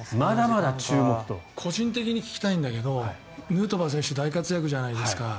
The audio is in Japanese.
個人的に聞きたいんだけどヌートバー選手大活躍じゃないですか。